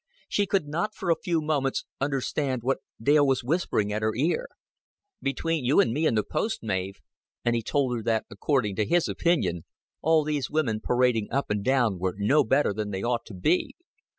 She could not for a few moments understand what Dale was whispering at her ear. "Between you and me and the post, Mav" And he told her that, according to his opinion, all these women parading up and down were no better than they ought to be.